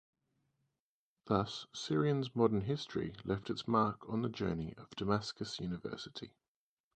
Thus Syrian's modern history left its mark on the journey of Damascus University.